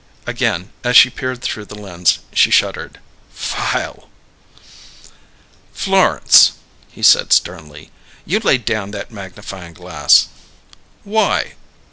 Again, as she peered through the lens, she shuddered. "Vile " "Florence," he said sternly, "you lay down that magnifying glass." "Why?"